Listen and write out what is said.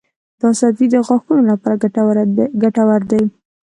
دا سبزی د غاښونو لپاره ګټور دی.